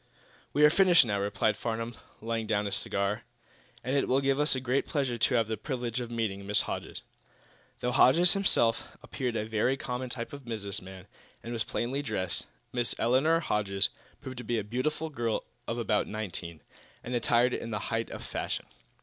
"We are finished, now," replied Mr. Farnum, laying down his cigar, "and it will give us great pleasure to have the privilege of meeting Miss Hodges." Though Hodges himself appeared a very common type of business man, and was plainly dressed, Miss Elinor Hodges proved to be a beautiful girl of about nineteen, and attired in the height of fashion.